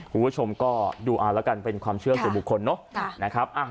คุณผู้ชมก็ดูเอาแล้วกันเป็นความเชื่อส่วนบุคคลเนอะนะครับ